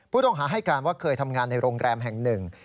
ผู้ต้องหาให้การว่าเคยทำงานในโรงแรมแห่งหนึ่ง